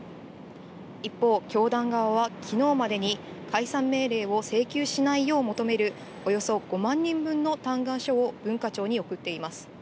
一方、教団側はきのうまでに解散命令を請求しないよう求めるおよそ５万人分の嘆願書を文化庁に送っています。